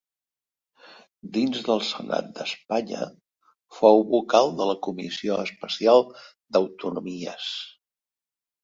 Dins del Senat d'Espanya fou vocal de la Comissió Especial d'Autonomies.